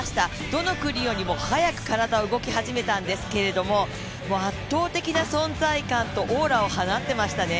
どの組よりも早く体が動き始めたんですけれども圧倒的なオーラと存在感を放っていましたね。